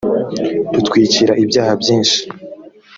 rutwikira ibyaha byinshi